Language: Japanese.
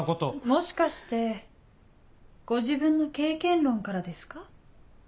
もしかしてご自分の経験論からですか？